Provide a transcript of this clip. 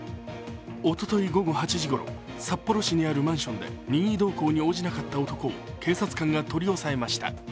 おととい午後８時ごろ札幌市にあるマンションで任意同行に応じなかった男を警察官が取り押さえました。